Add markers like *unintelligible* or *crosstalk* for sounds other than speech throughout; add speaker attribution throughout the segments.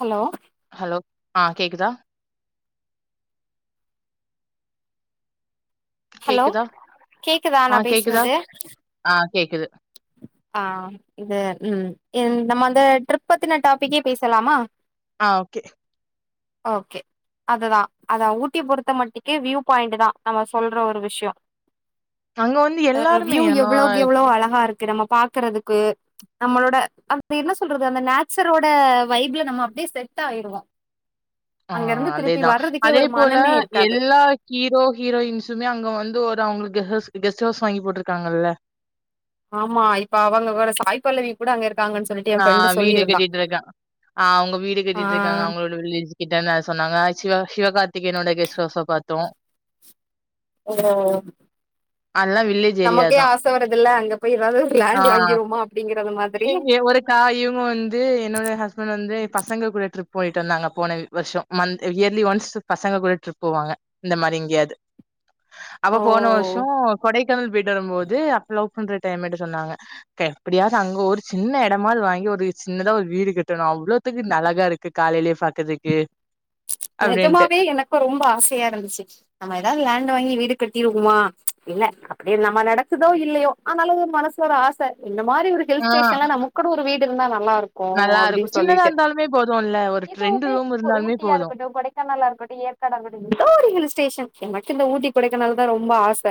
Speaker 1: Hello
Speaker 2: hello ஆ கேக்குதா
Speaker 1: hello
Speaker 2: கேக்குதா
Speaker 1: கேக்குதா
Speaker 2: ஆ
Speaker 1: நான்
Speaker 2: கேக்குதா
Speaker 1: பேசுறது
Speaker 2: ஆ கேக்குது
Speaker 1: ஆ இது உம் நம்ம அந்த ட்ரிப்பத்தின டாபிக்கே பேசலாமா
Speaker 2: ஆ ஓகே
Speaker 1: ஓகே அதுதான் அத ஊட்டி பொறுத்த மட்டுக்கே வியூ பாயிண்ட் தான் நம்ம சொல்ற ஒரு விஷயம்
Speaker 2: அங்க வந்து
Speaker 1: அஹ்
Speaker 2: எல்லாருமே
Speaker 1: வியூ
Speaker 2: நம்ம
Speaker 1: எவ்ளோக்கு எவ்ளோ அழகா இருக்கு நம்ம பாக்குறதுக்கு நம்மளோட அது என்ன சொல்றது அந்த நேச்சரோட வைப்ல நம்ம அப்படியே செட் ஆய்டுவோம்
Speaker 2: ஆஹ் அதேதான் அதே போல
Speaker 1: மனமே இருக்காது
Speaker 2: எல்லா ஹீரோ ஹீரோயின்ஸுமே அங்க வந்து ஒரு அவுங்களுக் கெஸ்ட் ஹவுஸ் வாங்கி போட்டுருக்காங்கல்ல
Speaker 1: ஆமா இப்ப அவங்கோட சாய்ப் பல்லவி கூட அங்க இருக்காங்கன்னு சொல்லிட்டு என்
Speaker 2: ஆஹ்
Speaker 1: ஃப்ரெண்டு
Speaker 2: வீடு கட்டிட்டு இருக்கான் ஆஹ் அவுங்க வீடு
Speaker 1: சொல்லியிருந்தா
Speaker 2: கட்டிட்டு இருக்காங்க
Speaker 1: ஆ
Speaker 2: அவுங்களோட வில்லேஜ் கிட்ட சொன்னாங்க ஆ சிவா சிவகார்த்திகேனோட கெஸ்ட் கவுஸ பாத்தோம்
Speaker 1: ஓ
Speaker 2: அதெல்லாம் வில்லேஜ் ஏரியா
Speaker 1: நமக்கே
Speaker 2: தான்
Speaker 1: ஆசை வருதுல்ல அங்க போய் ஏதாவது லேண்ட் வாங்கிருவமா அப்டிங்கறது மாதிரி
Speaker 2: எங்க ஒரு தாயும் வந்து என்னோட ஹஸ்பண்ட் வந்து பசங்க கூட ட்ரிப் போய்டு வந்தாங்க போன வருஷம் மந்த் இயர்லி ஒன்ஸ் பசங்க கூட ட்ரிப் போவாங்க இந்த மாரி இங்கேயாவது அப்ப
Speaker 1: ஓ
Speaker 2: போன வருஷம் கொடைக்கானல் போய்ட்டு வரும் போது அப்பம் ன்ற டைம்மேட் சொன்னாங்க எப்டியா அங்க ஒரு சின்ன இடமாது வாங்கி ஒரு சின்னதா ஒரு வீடு கட்டணும் அவ்வளவுத்துக்கு அழகா இருக்கு காலையிலே பாக்கறதுக்கு
Speaker 1: நெஜமாவே எனக்கும் ரொம்ப ஆசையா இருந்துச்சு நம்ம ஏதாவது லேண்ட் வாங்கி வீடு கட்டிருமா இல்ல அப்டியே நம்ம நடக்குதோ இல்லையோ ஆனாலும் மனசுல ஒரு ஆசை இந்த மாரி ஒரு
Speaker 2: ஆ
Speaker 1: ஹில்ஸ்டேன்ல நமக்குனு ஒரு வீடு இருந்தா நல்லா இருக்கும்
Speaker 2: நல்லா இருக்கு
Speaker 1: அப்டின்
Speaker 2: சின்னதா
Speaker 1: சொல்லிட்டு
Speaker 2: இருந்தாலுமே போதும்ல்ல ஒரு ரெண்டு
Speaker 1: இதுவுமே
Speaker 2: ரூம் இருந்தாலுமே
Speaker 1: ஊட்டியா இரு
Speaker 2: போது
Speaker 1: இருக்கட்டும் கொடைக்கானல இருக்கட்டும் ஏற்கா இருக்கட்டும் எதோ ஒருஹில்ஸேஷன் என் மட்டும் இந்த ஊட்டி குடைக்கனாலதான் ரொம்ப ஆச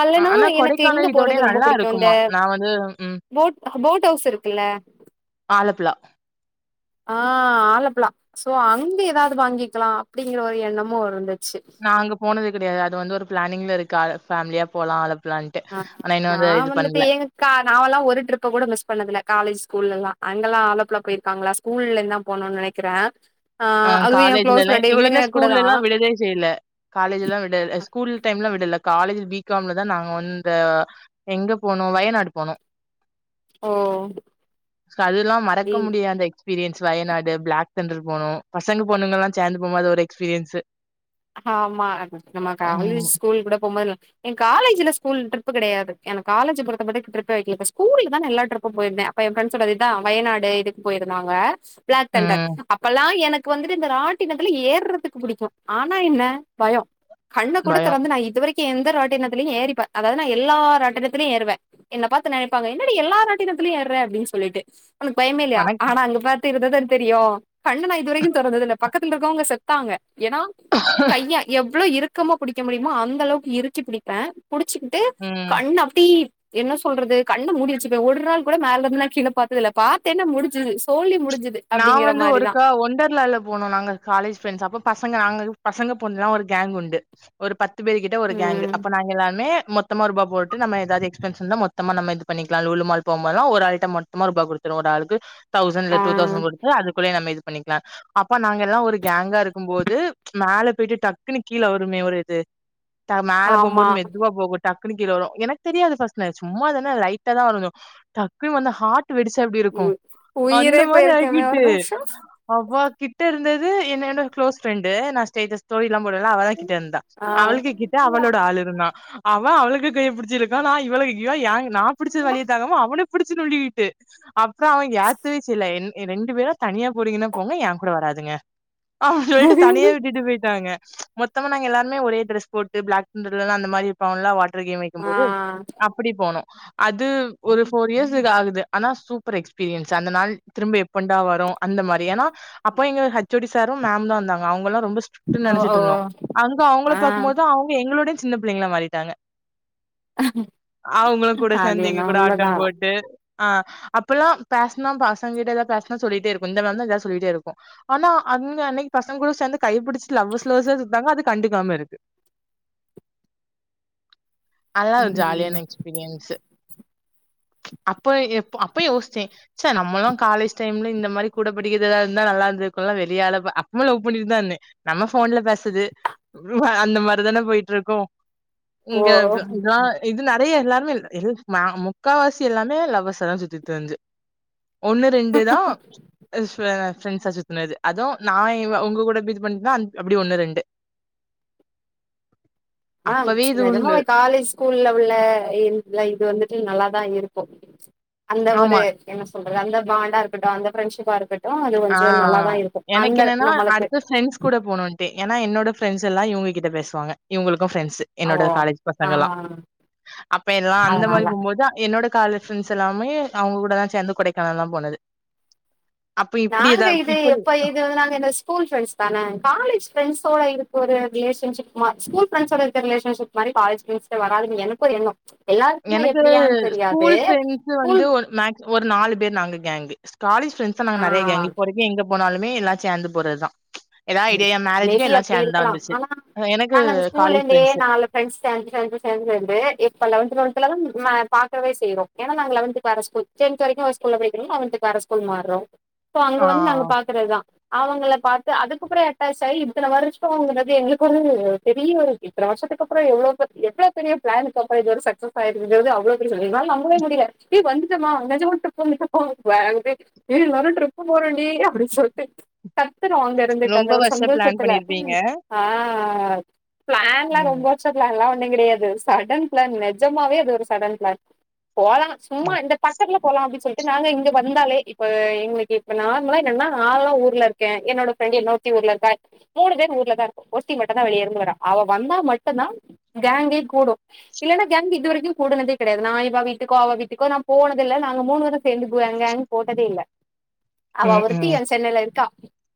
Speaker 1: அல்லனா
Speaker 2: ஆனா
Speaker 1: எனக்கு எங்க
Speaker 2: கொடைக்கானல் இதோடய
Speaker 1: போறது ரொம்ப
Speaker 2: நல்லா
Speaker 1: பிடிக்கும்
Speaker 2: இருக்குமா
Speaker 1: இந்த
Speaker 2: நா வந்து ம்
Speaker 1: போட் போட் ஹவுஸ் இருக்குல்ல
Speaker 2: ஆலப்புழா
Speaker 1: ஆஹ் ஆலப்புலா சோ அங்க ஏதாவது வாங்கிக்கலா அப்டிங்கிற ஒரு எண்ணமு வருது
Speaker 2: நா அங்க போனது கிடையாது அது வந்து ஒரு பிளானிங்ல இருக்கு ஃபமிலியா போலா
Speaker 1: அஹ நா வந்துட்டு எங்க க நாவல்லா ஒரு ட்ரிப்ப கூட மிஸ் பண்ணதில்ல காலேஜ் ஸ்கூல்ல எல்லா அங்கலா ஆலப்புல போயிருக்காங்களா ஸ்கூல்ல இருந்து போனோ நெனைக்கிற
Speaker 2: ஆஹ் காலேஜ்ல எல்ல எங்க வீட்டு்ல
Speaker 1: தா
Speaker 2: ஸ்கூல்லல எல்லா விடுதே செய்யல காலேஜ் எல்லாம் விடல ஸ்கூல் டைம்ல விடல காலேஜ் பி காம்ல தா நாங்க வந்த எங்க போனோ வயநாட் போனோ
Speaker 1: ஓ
Speaker 2: அதுல்லா மறக்க முடியாத எக்ஸ்பீரியன்ஸ் வயநாடு பிளாக் தண்டர் போனோ பசங்க பொண்ணுங்கலா சேர்ந்து போம்போது ஒரு எக்ஸ்பீரியன்சு
Speaker 1: ஆமா நம்ம காலேஜ்
Speaker 2: ம்,
Speaker 1: ஸ்கூல் கூட போம்போது எ காலேஜ்ல ஸ்கூல் விட்டு தப்பு கிடையாது எனக்கு காலேஜ் பொறுத்தபட்டு ட்ரிப்பு வெக்கல ஸ்கூல்தா எல்லா ட்ரிப்பு போயிருந்தே அப்ப எ ஃபிரண்ட்ஸ் இதா வயாடு இதுக்கு போயிருந்தாங்க ஸ் பிளாக் தண்டர்
Speaker 2: ம்.
Speaker 1: அப்பெல்லா எனக் கு வந்துட்டு இந்த ராட்டிணத்தில ஏறதுக்கு புடிக்கு ஆனா என்ன பயொ கண்ணு கூட
Speaker 2: பயம்.
Speaker 1: திறந்து நா இது வரைக் எந்த ராட்டினத்திலியு ஏறிப்ப அதாவது நா எல்லாராட்டினத்திலய ஏறுவே என்ன பார்த்து நினைப்பாங்க என்னடி எல்லா ராட்டினத்திலியு ஏற அப்டின்னு சொல்லிட்டு உனக்கு பயமே இல்லிய ஆனா அங்க பார் த்திருந்தா தெரியு கண்ணு நா இதுவரையு தொறந்ததில்ல பக்கத்துல இருக்கவங்க செத்தாங்க ஏனா கைய எவ்ளோ இருக் கமா புடிக்க முடியுமோ அந்த அளவுக்கு இருக்கி புடிப்பே புடிச்சிக்கிட்டு
Speaker 2: ம்.
Speaker 1: கண் அப்டி என்ன சொல்றது கண்ண முடிவச்சிப ஒரு நாள் கூட மேல இருந்துனா கில பார்த்ததில்ல பார்த்தென்ன முடிஞ்சுது சோலி முடிஞ்
Speaker 2: நா வந்து ஒருக்க ஒண்டர்லால போனோ நாங்க காலேஜ் ப்ரெண்ட்ஸ் அப்ப பசங்க நாங்க பசங்க பொண்ணுலா ஒரு கேங் உண்டு ஒரு பத் துபேர் கிட்ட ஒரு கேங்கு
Speaker 1: ம்
Speaker 2: அப்ப நாங்க எல்லாமே மொத் தமா ரூபா போட்டு நம்ம ஏதவது எக்ஸ்பன்ஸ் இருந்த மொத்தம நம இது பண்ணிக்கலா லோல்மால் போம்போதலா ஒரு ஐட்டம் மொத்தமா ரூபா கொடுகணு ஒரு ஆளுக்கு டயு
Speaker 1: ஆ
Speaker 2: டூதௌசண்ட் போட்டு அதுக்குள்லையே நம்ம இது பண்ணிக்கலாம் அப்பா நாங்க எல்லா ஒரு கேங்கா இருக்கு போது மேல போயிட்டு டக்குன்னு கீல வருமே ஒரு இது த மேல
Speaker 1: ஆமா
Speaker 2: போம்போது மெதுவா போகும் டக் டக்குனு கீல வரு எனக்கு தெரியாது ஃபர்ஸ்ட்ல சும்ம தான லைட்ட தா டக்குனு வந்து ஹாட்
Speaker 1: உ உயிரே போயிருக்கு இங்க வேற ரஸ்சுஸ்
Speaker 2: அவ கிட்ட இருந்தது எஎன்னோட க்ளோஸ் பிரெய்டு நான்ஸ்டேடஸ் தோழி போடுவேல அவள் தான் கிட்ட இருந்தான்
Speaker 1: ஆ
Speaker 2: அவளுக்கு கிட்ட அவளோட ஆள் இருந்தான் அவன் அவளுக்கு கையபிடிச்சிருக்கான் நான் இவளளுக்குக்குஇவ எங்கை நான் புடிச்ச வலிய தங்காம அவனு பிடிச்சு நோன்டிகிட்டு அப்புறம் அவன் ஏயத்தவே செய்யல என் ரெண்டு பேரா தனியா போறீங்கன்னா போங்க என் கூட வராதுங்க ஆ லிட்டு தனியே விட்டு போயிட்டாங்க மொத்தமா நாங்க எல்லாருமே ஒரே ட்ரஸ் போட்டு பிளாக் அந்த மாரி இருப்பாங்க ட்ரைனிங்
Speaker 1: ஆ
Speaker 2: வைக்கும்போது அப்படி போனோம் அது ஒரு போர் இயர்ஸக்கு ஆகுது ஆனா சூப்பர் எக்ஸ்பீரியன்ஸ் அந்த நாள் திரும்ப எப்பண்டா வரும் அந்த மாரி ஏன்னா அப்போ எங்க ஹச்சோடி சாரும் மேம் தான் வந்தாங்க அவங்களும் ரொம்ப ஸ்ட்ரிக்
Speaker 1: ஓ ஓ
Speaker 2: நினைச்சிட்டு இருந்தோ அங்க அவங்களை
Speaker 1: ஆ
Speaker 2: பார்க்குகம்போது அவங்க எங்களுடைய ஸ்ட் சின்ன பிள்ளைங்களா மாறிட்டாங்க அவங்களும் கூட
Speaker 1: அது
Speaker 2: சேர்ந்து எங்க
Speaker 1: என்னவோ
Speaker 2: கூட
Speaker 1: உண்மதா
Speaker 2: ஆட்டம் போட்டு ஆஹ் அப்பல்லாம் பேசனா பாஸ் கிட்டதா பேசானு சொல்லிட்டே இருக்கும் இந்த தான் எதது சொல்லிட்டே இருக்கும் ஆனா அன்னைக்கு பசங்க கூட சேர்ந்து கைப்பிடிச்ச லவ்வஸ் லவ்வஸ்சா சுத்துறாங்க அது கண்டுக்காம இருக்கு அதலா ஒரு
Speaker 1: ம்
Speaker 2: ஜாலியான எக்ஸ்பீரியன்ஸ் அப்ப எ அப்ப யோசித்தேன் ச்சே நம்மல்லாம் காலேஜ் டைம்ல இந்த மாரி கூட படிக்கிறதுதா இருந்தா நல்லா இருக்கும்ல வெளியால அப்பவு லவ் பண்ணிட்டுதான் இருந்தேன் நம்ம போன்ல பேசுறது அந்த மாரிதானே போயிட்டு இருக்கும்
Speaker 1: ஓ
Speaker 2: இங்க இதான் இது ந இங்கையும் எல்லாரு எ முக்கால்வாசி எல்லாமே லவ்வர்சாதா சுத்திட்டு இருந்துசு ஒன்னு ரெண்டு தான் ஃப்ரெண்ட்ஸா சுத்துனது அதுவும் நான் உங்க கூட இது பண்ணதா அப்படி ஒண்ணு ரெண்டு அப்பவே இது
Speaker 1: ஹ
Speaker 2: உண்டு
Speaker 1: காலேஜ் ஸ்கூல்ல உள்ள இது வந்துட்டு நல்லா இருக்கு இப்படி தான் இருக்கும் அந்த
Speaker 2: ஆமா
Speaker 1: ஒரு என்ன சொல்றது அந்த பாண்டா இருகட்டும் அந்த ஃப்ரெண்ஷிபா இருக்கட்டும்
Speaker 2: ஆஹ் எனக்கு என்னன்னா
Speaker 1: நம்மளுக்கு
Speaker 2: அடுத்த ஃப்ரெண்ட்ஸ் கூட போணுன்ட்டு ஏன்னா என்னோட பிரெண்டஸ் எல்லாம் இவங்ககிட்ட பேசுவாங்க இவங்களுக்கு பிரெண்ட்
Speaker 1: ஓ
Speaker 2: என்னோட காலேஜ்
Speaker 1: ஆ
Speaker 2: பசங்க எல்லாம் அப்ப எல்லாம் அந்த
Speaker 1: அதனால
Speaker 2: மாரி போகும்போதான் என்னோட கால ஃப்ரெண்ட்ஸ் எல்லாமே அவங்ககூடதா சேந்து கொடைக்கானல் எல்லா போனது அப்ப இப்டி
Speaker 1: நாங்க
Speaker 2: எதா
Speaker 1: இது
Speaker 2: இப்ப
Speaker 1: எப்ப இது வந்து நாங்க இந்த ஸ்கூல் ஃபிரெண்ட்ஸ்தான காலேஜ் ஃப்ரெண்ட்ஸோட இதுக்கு ஒரு ரிலேஷன்ஷிப் மா ஸ்கூல் ஃப்ரெண்ஸோட இருக்க ரிலேஷன்ஷிப் மாரி காலேஜ் ஃப்ரெண்ட்ஸ்கிட்ட வராதுன்னு எனக்கு ஒரு எண்ணோ எல்லாருக்குமே
Speaker 2: எனக்கு
Speaker 1: எப்டியான்னு தெரியாது
Speaker 2: ஸ்கூல் ஃப்ரெண்ட்ஸ்
Speaker 1: ஸ்கூல்
Speaker 2: வந்து ஒரு மேக்ஸ் ஒரு நாலு பேர் நாங்க கேங்கு ஸ்காலேஜ் ஃபிரெண்ட்ஸ் நாங்க நெறைய
Speaker 1: ஆ
Speaker 2: கேங் இப்ப வரைக்கு எங்க போனாலுமே எல்லா சேந்து போறதுதா
Speaker 1: ஓ மேபி அப்டி இருக்கலா ஆனா
Speaker 2: எனக்கு
Speaker 1: நாங்க அந்த ஸ்கூல்ல
Speaker 2: காலேஜ்
Speaker 1: இருந்தே
Speaker 2: ஃப்ரெண்ட்ஸ்.
Speaker 1: நாலு ஃபிரண்ட்ஸ் சேந்து சேந்து சேந்து வந்து இப்ப லெவன்த்து டுவெல்த் ல ஆஹ் பாக்கவே செய்றோ ஏன்னா நாங்க லெவன்த்துக்கு வேற ஸ்கூல் டென்த்து வரைக்கு ஒரு ஸ்கூல்ல படிக்கிறோ லெவன் த்துக்கு வேற ஸ்கூல் மார்றோ சோ அங்க
Speaker 2: ஆ
Speaker 1: வந்து நாங்க பாக்குறதுதா அவங்கள பாத்து அதுக் கப்றோ *unintelligible* ஆயி இத்தன வருஷோ அதாவ்து எங்களுக்கு ஒரு பெரிய ஒரு இத்தன வருஷத்துக்கு அப்றோ எவ்ளோ பெ எவ்ளோ பெரிய பிளானுக்கப்றோ இது ஒரு சக்ஸஸ் ஆயிருக்குங்கறது அவ்ளோ எப்டி சொல்றது எங்களால நம்பவே முடியல ஏ வந்துட்டமா நெஜமா ட்ரிப்பு வந்து இப்ப போ *unintelligible* ஏ எல்லா ட்ரிப்பு போறோண்டி அப்டின்னு சொல்ட்டு கத்துறா
Speaker 2: ரொம்ப
Speaker 1: அந்த ஒரு
Speaker 2: வருஷம் பிளான்
Speaker 1: சந்தோஷத்துல ஆஹ்
Speaker 2: பண்ணியிருப்பீங்க.
Speaker 1: ஆ பிளான்லா ரொம்ப
Speaker 2: ம்.
Speaker 1: வருஷத்துல இல்ல ஒன்னுங் கெடையாது சடன் பிளான் நெஜமாவே அது ஒரு சடன் பிளான் போலா சும்மா இந்த பக்கத்துல போலா அப்டின்னு சொல்ட்டு நாங்க இங்க *unintelligible* இருந்தாலே இப்ப எங்களுக்கு இப்ப நார்மலா என்னன்னா நான்லா ஊர்ல இருக்கே என்னோட ஃபிரெண்ட் என்னோட த்தி ஊர்ல இருக்கா மூணு பேர் ஊர்லதா இருக்கோ ஒருத்தி மட்டுந்தா வெளிய இருந்து வரா அவ வந்தா மட்டுந்தா கேங்கே கூடு இல்லைன்னா கேங்க் இதுவரைக்கு கூடுனதே கெடையாது நா இவ வீட்டுக்கோ அவ வீட்டுக்கோ நான் போனது இல்ல நாங்க மூணு பேரு சேந்து *unintelligible* கேங் போட்டதே இல்ல அவ ஒருத்தி
Speaker 2: ம்ஹ்ம்.
Speaker 1: என் சென்னை இருக்கா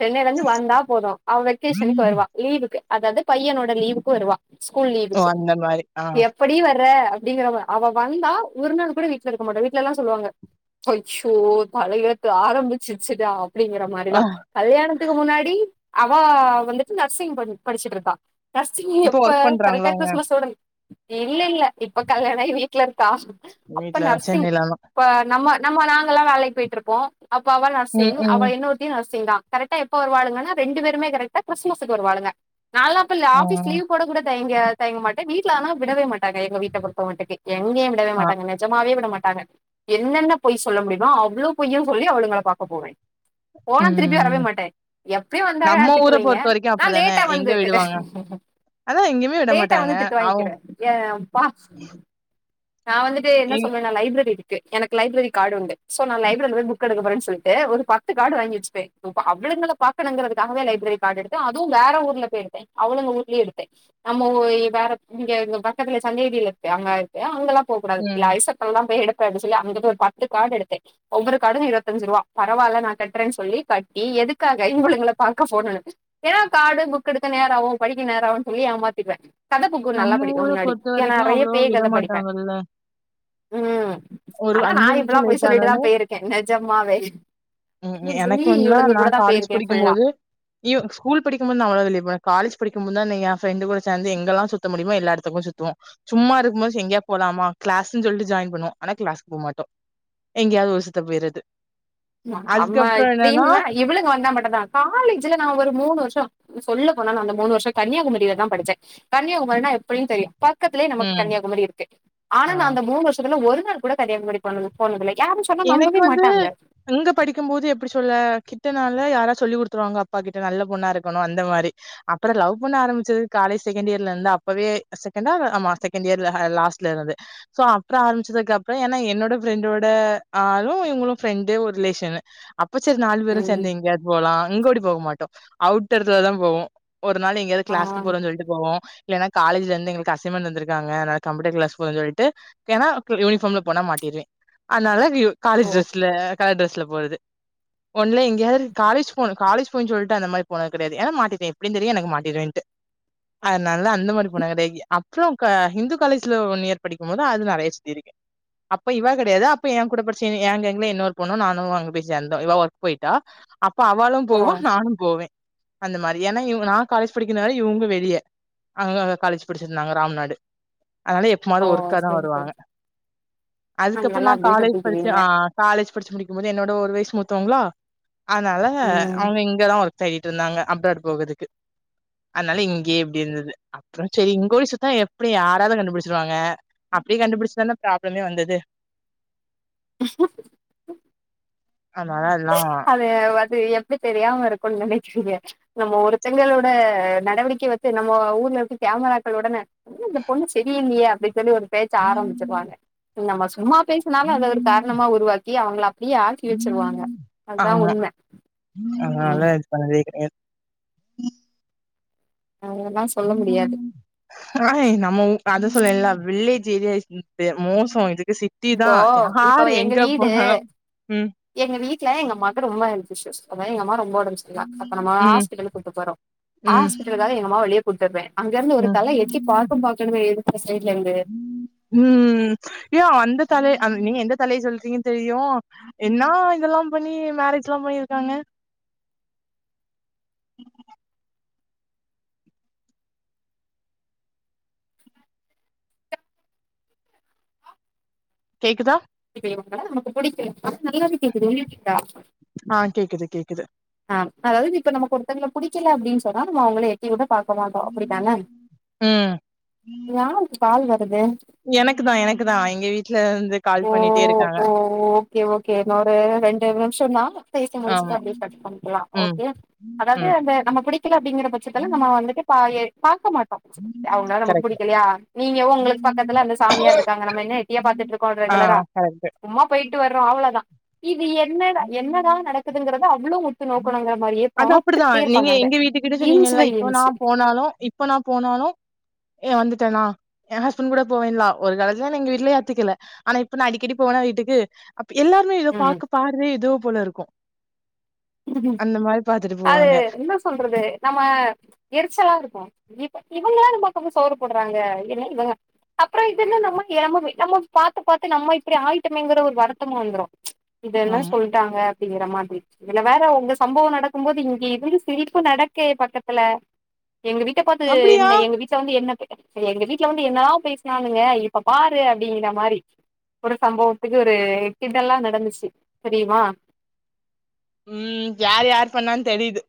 Speaker 1: சென்னைல இருந்து வந் தா போது அவ வெக்கேஷனுக்கு வருவா லீவு க்கு அதாவது பையனோட லீவுக்கு வருவா ஸ்கூல்
Speaker 2: ஓ!
Speaker 1: லீவுக்கு
Speaker 2: அந்த மாரி. ஆ.
Speaker 1: எப்படி வர்ற அப்டிங்கிறவ அவ வந்தா ஒரு நாள் கூட வீட்ல இருக்க மாட்டா வீட்ல எல்லா சொல்லுவாங்க ஹச்சோ தலையெழுத்து ஆரம்பிச்சிருச்சுடா அப்டிங்கற
Speaker 2: அ
Speaker 1: மாரிலா கல்யாணத்துக்கு முன்னாடி அவ வந்துட்டு நர்சிங் படி படிச்சுட்ருப்பா நர்சிங்
Speaker 2: இப்போ
Speaker 1: எப்ப
Speaker 2: ஒர்க் பண்றாங்களா
Speaker 1: கரெக்டா
Speaker 2: அவங்க?
Speaker 1: கிறிஸ்துமஸோட லீவ் இல்ல இல்ல இப்ப கல்யாணோ ஆயி வீட்ல இரு க்கா அப்ப
Speaker 2: வீட்ல தான்
Speaker 1: நர்சிங்
Speaker 2: சென்னையிலலாம்.
Speaker 1: இப்ப நம்ம நம்ம நாங்கல்லா வேலைக்கி போயிட்ருப்போ அப்ப அவள்
Speaker 2: ம்,
Speaker 1: நர்சிங்
Speaker 2: ம்.
Speaker 1: அவள் என்னொருத்தியும் நர்சிங் சிந்தா கரக்டா எப்ப வருவாள்கன்னா ரெண்டு பேருமே கரெக்டா கிறிஸ்மஸ்சுக்கு வருவாள்ங்க நாலா அப்ப
Speaker 2: ஆ.
Speaker 1: ஆபீஸ் லீவ் போட கூட தயங் தயங்க மாட்டேன் வீட்ல ஆனா விடவே மாட்டே ங்க எங்க வீட்ட பொருத்தமட்டுக்கு எங்கயும் விடவே
Speaker 2: ஆ.
Speaker 1: மாட்டாங்க நிஜமாவே விடமாட்டாங்க அவ என்னென்ன பொய் சொல்ல முடியுமோ அவ்வளோ பொய்யும் சொல்லி அவளுங்கள பாக்க போவே போன திருப்பி வரவே
Speaker 2: ம்.
Speaker 1: மாட்டேன் எப் வந்தா
Speaker 2: நம்ம ஊர
Speaker 1: திட்டுவீங்க
Speaker 2: பொறுத்த வரைக்கும்
Speaker 1: நான்
Speaker 2: அப்படிதானே.
Speaker 1: லேட்டா
Speaker 2: எங்க
Speaker 1: வந்து
Speaker 2: விடுவாங்க? அதான் எங்கேயுமே விட
Speaker 1: லேட்டா
Speaker 2: மாட்டாங்க.
Speaker 1: வந்து திட்டு
Speaker 2: அவ்
Speaker 1: வாங்கிக்கிறே ஏ பா நான் வந்துட்டு என்ன
Speaker 2: எங்
Speaker 1: சொல்லுவேன்னா லைப்ரரி ஓகே எனக்கு லைப்ரரி கார்டு உண்டு சோ நான் லைப்ரரில போய் புக் எடுக்க போறனு சொல்லிட்டு ஒரு பத்து கார்டு வாங்கி வச்சுபேன் இப்ப அவளுங்கல பாக்க இப்ப லைப்ரரி கார்டு எடுத்த அதுவும் வேற ஊர்ல போய் எடுத்தேன் அவளுங்க ஊர்லயே எடுத்தேன் நம்ம வேற இங்க பக்கத்து சன்னிதில இருங்கே அங்கல்லா போ கூடாது
Speaker 2: ம்.
Speaker 1: ஐசக் எல்லா போய் எடுத் சொல்லி அங்கிருந்து ஒரு பத்து கார்டு எடுத்தேன் ஒவ்வொரு கார்டு இருபத்தஞ்சு ரூபா பரவாயில்ல நா கட்றேனு சொல்லி கட்டி எதுக்காக இவளுங்கள பாக்க போண எனக்கு ஏன்னா கார்டு புக் எடுக்க நேரம் ஆவும் படிக்க நேரம் ஆவுனு சொல்லி ஏமாத்திடுவே கதை புக்கு நல்லா
Speaker 2: நம்ம
Speaker 1: படிக்கும்
Speaker 2: ஊர
Speaker 1: முன்னாடி
Speaker 2: பொறுத்த
Speaker 1: ஏன்
Speaker 2: வரைக்கும்
Speaker 1: நிறைய
Speaker 2: அவ்வளவா
Speaker 1: பேய்
Speaker 2: விட
Speaker 1: கதை படிப்பேன்
Speaker 2: மாட்டாங்கல்ல. ஒரு
Speaker 1: ஆனா நான்
Speaker 2: நிமிஷம்
Speaker 1: இப்பல்லாம் பொய்
Speaker 2: லேட் ஆனாலே
Speaker 1: சொல்லிட்டுதான் போயிருக்கேன் நெட் ஜம் அவே
Speaker 2: ம் எனக்குன்னா நா கா காலேஜ்
Speaker 1: போயிருக்கேன் ஃபுல்லா.
Speaker 2: படிக்கும்போது அயோ ஸ்கூல் படிக்கும்போது நா ஒன்னாதா நிப்பேன் காலேஜ் பிடிக்கும் முன்ன தான் என் ஃப்ரெண்டு கூட சேர்ந்து எங்கெல்லாம் சுத்த முடியுமோ எல்லாடத்துக்கும் சுத்துவோம் சும்மா இருக்கும் போது எங்கேயாது போலாம கிளாஸ்ன்னு சொல்லிட்டு ஜாயின் பண்ணுவோம் ஆனா கிளாஸ்கு போகமாட்டோம் எங்கேயாவது ஊரு சுத்த போயர்றது
Speaker 1: ஆமா இப்படின்னா இவளுங்க வந்த மட்டுதான் காலேஜ்ல நான் ஒரு மூணு வருஷம் சொல்ல போனா நான் அந்த மூணு வருஷம் கன்னியாகுமரியில தான் படிச்சேன் கன்னியாகுமரினா எப்பயும் தெரியும் பக்கத்திலேயே நமக்கு
Speaker 2: ம்
Speaker 1: கன்னியாகுமரி இருக்கு
Speaker 2: ஆ
Speaker 1: ஆனா அந்த மூணு வருஷத்துல ஒரு கூட கன்னியாகுமரி போனது போனதில்லை யாரும் சொன்னா
Speaker 2: எனக்கு
Speaker 1: நம்பவே
Speaker 2: வந்து
Speaker 1: மாட்டாங்க
Speaker 2: அங்க படிக்கும் போது எப்படி சொல்ல கிட்டனால யாரா சொல்லி கொடுத்துருவாங்க அப்பா கிட்ட நல்ல பொண்ணாயிருக்கணும் அந்த மாரி அப்புறம் லவ் பண்ண ஆரம்பிச்சது காலேஜ் செகண்ட் இயர்ல இருந்து அப்பவே செகண்டா ஆமா செகண்ட் இயர்ல லாஸ்ட்ல இருந்து சோ அப்புற ஆரம்பிச்சது அப்புறம் ஏன்னா என்னோட ஃப்ரெண்டோட ஆளும் இவங்களும் ஃப்ரெண்டு ஒரு ரிலேஷன் இப்ப சரி நாலு பேரும்
Speaker 1: ம்.
Speaker 2: சேந்து எங்கயாவது போலாம் இங்கோடி போக மாட்டோம் அவுட்டர்லதான் போவோம் ஒரு நாள் எங்காவது
Speaker 1: ஆ.
Speaker 2: கிளாஸ்க்கு போறோன்னு சொல்லிட்டு போவோம் இல்ன்னா காலேஜ்ல இருந்து எங்களுக்கு அசைமெண்ட் தந்திருக்காங்க அதனால கம்யூட்டர் கிளாஸ் போற சொல்லிட்டு ஏன்னா யூனிஃபார்ம்ல போனா மாட்டிருவேன் அதனால
Speaker 1: ஓ!
Speaker 2: காலேஜ்டிரஸ்ல கலர் டிரெஸ் பஸ்ல போறது ஒன்னு எங்கயாவது காலேஜ் போனு காலேஜ் போற சொல்லிட்டு அந்த மாரி போனது கிடையாது ஏன்னா மாட்டிப்பேன் தெரியும் அதுனால அந்த மாதிரின போனது கிடையாது அப்புறம் இந்து காலேஜ்ல ஒன் இயர் படிக்கும் போது அது நெறைய இருக்கு அப்ப இவா கிடையாது கூடப்படிச்சங்க ஏ கேங்குல இன்னொரு பொண்ணும் நானும் அங்க போய் சேந்தோம் இவ ஒர்க் போயிட்டா அப்ப அவளும்
Speaker 1: ஓ!
Speaker 2: போவோம் நானும் போவேன் அந்த மாறி ஏன்னா இவ நா காலேஜ் படிக்கர்ணால இவுங்க வெளிய அவுங்கங்க காலேஜ் படிச்சிருந்தாங்க ராம் நாடு அதனால எப்போவமாது
Speaker 1: ஓ!
Speaker 2: ஒருக்கா தான்
Speaker 1: சரி, சரி.
Speaker 2: வருவாங்க
Speaker 1: அ
Speaker 2: அதுக்கப்புறம்
Speaker 1: நல்லா
Speaker 2: நான்
Speaker 1: அப்டியே
Speaker 2: காலேஜ் படிச்சு
Speaker 1: சுத்திக்குவீங்க.
Speaker 2: ஆ காலேஜ் படிச்சு முடிக்கு போது என்னோட ஒரு வைசு மூத்த ங்களா அதனால
Speaker 1: ம்.
Speaker 2: அவங்க இங்கதான் ஓர் தேடிட்டிருந்தாங்க அப்ராட் போகற்துக்கு அதனால இங்கேயே இப்படி இருந்தது அப்றோம் செரி இங்கோடி சுத்துனா எப்படி யாராவது கண்டுபுடிச்சிருவாங்க அப்டி கண்டுபுடிச்சுதான பிராப்ளமே வந்தது அதனால அதெல்லாம்
Speaker 1: அது வந்து எப்டி தெரியாம இருக்கனும்னு நெனைக்றீங்க நம்ம ஒருத்தங்களோட நடவடிக்கை வச்சு நம்ம ஊர்ல இருந்து கேமராக்களோடன ன்ன இந்த பொண்ணு செரியில்லயே அப் சொல்லி ஒரு பேச்சு ஆரம்பிச்சிருவாங்க நம்ம சும்மா பேசினாலும் அத ஒரு காரணமா உருவாக் எ அவங்களா யே ஆக்கி வெச்சிருவாங்க அதான் உண்ம
Speaker 2: ஆஹ் நல்லா
Speaker 1: ம்
Speaker 2: இது பண்தே கெடையா
Speaker 1: அதெல்லா சொல்ல முடியாது
Speaker 2: ஆஹ் நம்ம அது சொல்லல்ல வில் *unintelligible* மோசோ அது
Speaker 1: இப்போ இப்ப எங்க வீடு
Speaker 2: போனாலும் ம்
Speaker 1: எங்க வீட்ல எங்கமாக்கு ரொம்ப பயம் எங்க அப்பா ரொம்ப ஒடம்பு செரியில்ல அப்போ நம்ம
Speaker 2: ம்
Speaker 1: ஹாஸ்பிட்டல் கூட்டு போறோம்
Speaker 2: ம்
Speaker 1: ஹாஸ்பிட்டல்காக எங்க அம்மாவ வெளிய கூட்டு வர்வேன் அங்கருந்து ஓரு தல எட்டி பாக்குபாக்கன்னுமே
Speaker 2: உம் யா அந்த தல அ நீங்க எந்த தலய சொல்றீங்கனு தெரியும் என்னா இதுலாம் பண்ணி மேரேஜ்லாம் பண்ணிருக்காங்க கேக்குதா
Speaker 1: ஏன்னா நமக்கு புடிக்கல அதனால அது கேக்குது
Speaker 2: ஆஹ் கேக்குது கேக்குது
Speaker 1: ஆ அதாவது இப்ப நமக்கு ஒருத்தங்கள புடிக்கல அப்டின்னு சொன்னா அவங்கள எட்டி வி பாக்க மாட்டோ அப்டிதான
Speaker 2: ம்
Speaker 1: பால் வ *unintelligible*
Speaker 2: எனக்கு தா எனக்கு தா எங்க வீட்ல இருந்து கால்
Speaker 1: ஓ
Speaker 2: பண்ணிட்டே இருக்காங்க
Speaker 1: ஓ ஓகே ஓகே என்னோட ரெ *unintelligible* சைச முடிச்சுடா
Speaker 2: ஆமா
Speaker 1: அப்டே கட் பண்ணலாம்
Speaker 2: ம்
Speaker 1: ஓகே அதாவது
Speaker 2: ம்
Speaker 1: அந்த நம்ம பிடிக்கல அப்படிங்கிற பட்சத்துல நம்ம வந்துட்டு பா பாக்க மாட்டோம் அவங்களால நமக்கு
Speaker 2: கரெக்ட்
Speaker 1: பிடிக்கலையா நீங்கோ உங்களுக்கு பக்கத்துல அந்த சாமியா இருக்காங்க நம்ம என்ன எட்டியா பாரத்துட்டு இருக்கோம்
Speaker 2: ஆ
Speaker 1: ரெகுலரா
Speaker 2: கரெக்ட்
Speaker 1: சும்மா போயிட்டு வறோம் அவ்வளோதான் என்னத என்னதான் நடக்குதுங்கிறது
Speaker 2: அது அப்படிதான் நீங்க
Speaker 1: இருப்பாங்க அங்க
Speaker 2: எங்க வீட்டு கிட்ட
Speaker 1: இன்ச்
Speaker 2: சொன்னீங்கல்ல
Speaker 1: பை
Speaker 2: இப்ப நா
Speaker 1: இன்ச்
Speaker 2: போனாலும் இப்ப நா போனாலும் ஏன் வந்துட்டேனா என் ஹஸ்பண்ட் கூட போவேன்லா ஒரு காலச்ச தான் எங்க வீட்டுலய ஏத்துக்கல ஆனா இப்ப நான் அடிக்கடி போவேனா வீட்டுக்கு எல்லாருமே ஏதோ பாார்க பாருற ஏதோ போல இருக்கு அந்த மாரி பாத்துட்டு
Speaker 1: அது
Speaker 2: போவாங்க
Speaker 1: என்ன சொல்றது நம்ம எரிச்சலா இருக்கோ இவ இவங்களாம் ந பக்க சோறு போடுறாங்க என்ன இவங்க அப்புறம் இதுன்னு நம்ம நம்ம பாத்து பாத்து நம்ம இப்படி ஆயிட்டமேங்கற ஒரு வருத்தமா வந்துரும் இதெல்லாம்
Speaker 2: ஆமா
Speaker 1: சொல்லிட்டாங்க அப்படிங்கிற மாதிரி இதுல வேற உங்க சம்பவம் நடக்கும் போது இங்க இது சிரிப்பு நடக்கு பக்கத்துல எங்க வீட்ட பாத்து
Speaker 2: அப்டியா
Speaker 1: என்ன எங்க வீட்டல வந்து என்ன எங்க வீட்டுல வந்து என்னாவ பேசினானுங்க இப்ப பாரு அப்படிங்கிற மாதிரி ஒரு சம்பவத்துக்கு ஒரு கிடெல்லாம் நடந்துச்சு தெரியுமா
Speaker 2: உம் யார்யார் பண்ணா தெரியது